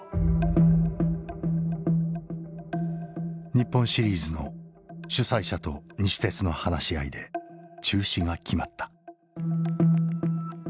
日本シリーズの主催者と西鉄の話し合いで中止が決まった。